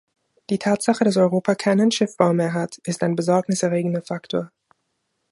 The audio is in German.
Die Tatsache, dass Europa keinen Schiffbau mehr hat, ist ein besorgniserregender Faktor.